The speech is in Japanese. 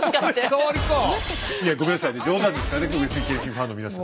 いやごめんなさいね冗談ですからね上杉謙信ファンの皆さん。